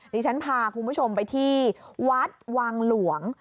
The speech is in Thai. ดิฉันพาคุณผู้ชมไปที่วัดวังหลวง